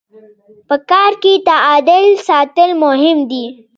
په کار کي تعادل ساتل مهم دي.